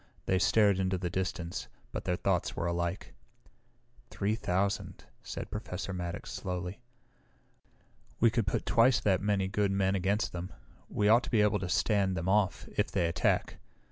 They stared into the distance, but their thoughts were alike. "Three thousand," said Professor Maddox slowly. "We could put twice that many good men against them. We ought to be able to stand them off, if they attack.